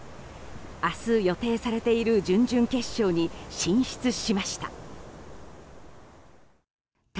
明日、予定されている準々決勝に進出しました。